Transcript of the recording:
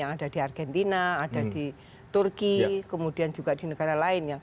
yang ada di argentina ada di turki kemudian juga di negara lain